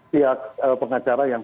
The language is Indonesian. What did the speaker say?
pihak pengacara yang